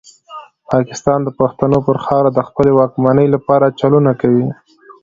پاکستان د پښتنو پر خاوره د خپلې واکمنۍ لپاره چلونه کوي.